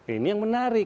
ini yang menarik